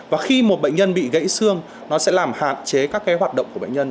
và khi một bệnh nhân bị gãy xương nó sẽ làm hạn chế các cái hoạt động của bệnh nhân